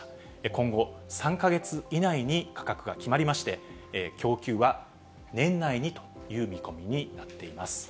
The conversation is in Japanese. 今後、３か月以内に価格が決まりまして、供給は年内にという見込みになっています。